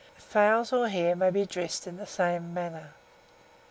Fowls or hare may be dressed in the same manner.